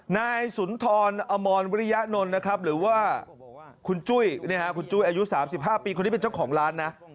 นายสุนทรอมรวิริยะนนท์นะครับหรือว่าคุณจุ้ยคุณจุ้ยอายุ๓๕ปีคนนี้เป็นเจ้าของร้านนะ